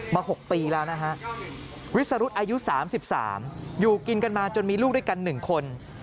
๖ปีแล้วนะฮะวิสรุธอายุ๓๓อยู่กินกันมาจนมีลูกด้วยกัน๑คน